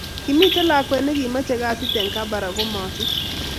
Kimiten lakwet nekimache kasit en kabarak komasich